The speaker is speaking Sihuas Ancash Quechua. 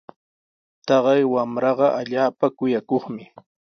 Taqay wamraqa allaapa kuyakuqmi.